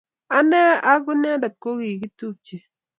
Anee ako inendet ko kikitupche.